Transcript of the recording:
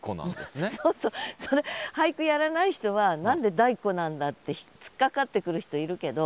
そうそうそれ俳句やらない人は何で「だいこ」なんだってつっかかってくる人いるけど。